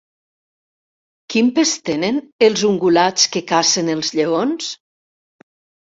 Quin pes tenen els ungulats que cacen els lleons?